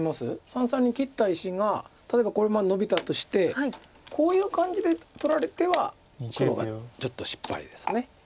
三々に切った石が例えばこれノビたとしてこういう感じで取られては黒がちょっと失敗です。